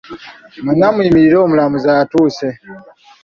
Mwenna muyimirire omulamuzi atuuse.